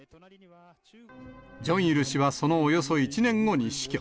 ジョンイル氏はそのおよそ１年後に死去。